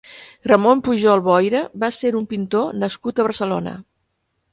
Ramon Pujol Boira va ser un pintor nascut a Barcelona.